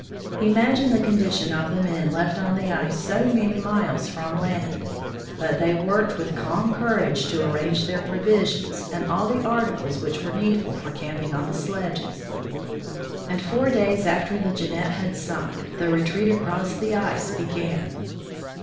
Imagine the condition of the men left on the ice so many miles from land. But they worked with calm courage to arrange their provisions and all the articles which were yS THE FROZEN NORTH needful for camping on the sledges, and four days after the Jeannette had sunk, the retreat across the ice began.